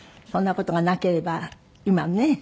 そんな事がなければ今もね